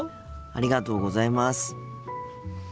ありがとうございます。